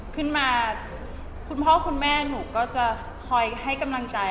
คุณพ่อคุณแม่หนูก็จะคอยให้กำลังใจ